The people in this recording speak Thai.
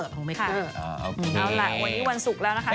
เอาล่ะวันนี้วันสุขแล้วนะคะ